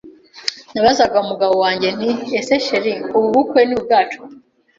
Nabazaga umugabo wanjye nti ese chr ubu bukwe ni ubwacu?